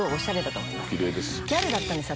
ギャルだったんですよ